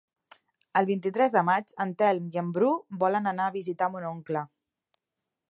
El vint-i-tres de maig en Telm i en Bru volen anar a visitar mon oncle.